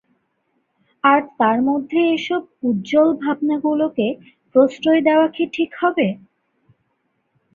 আর তার মধ্যে এসব উচ্ছ্বল ভাবনাগুলোকে প্রশ্রয় দেওয়া কী ঠিক হবে?